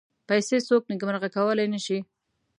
پیسې څوک نېکمرغه کولای نه شي.